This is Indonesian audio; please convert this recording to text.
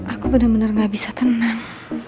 aku benar benar gak bisa tenang